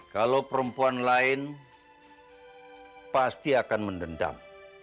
kalau perempuan lain pasti akan mendendam